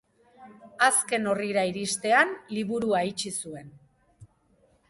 Azken orrira iristean, liburua itxi zuen.